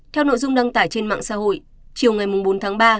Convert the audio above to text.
theo nội dung đăng tải trên mạng xã hội chiều ngày bốn tháng ba